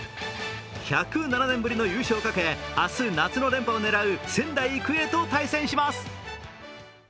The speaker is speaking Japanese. １０７年ぶりの優勝をかけ、明日、夏の連覇を狙う仙台育英と対戦します。